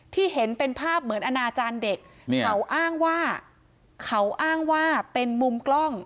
เห็นเป็นภาพเหมือนอนาจารย์เด็กเขาอ้างว่าเขาอ้างว่าเป็นมุมกล้อง